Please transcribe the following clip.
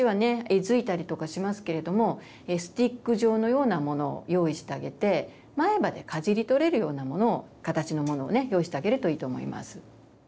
えずいたりとかしますけれどもスティック状のようなものを用意してあげて前歯でかじり取れるようなものを形のものをね用意してあげるといいと思います。